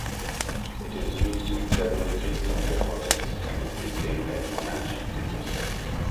It is used in several free software projects and is maintained at Monash University.